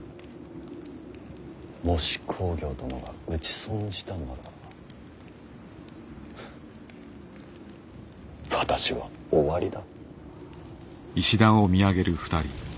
もし公暁殿が討ち損じたなら私は終わりだ。